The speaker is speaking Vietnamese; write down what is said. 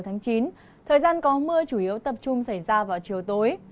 thời gian có mưa chủ yếu tập trung xảy ra vào chiều tối